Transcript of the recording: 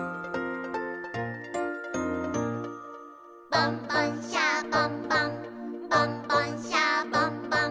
「ボンボン・シャボン・ボンボンボン・シャボン・ボン」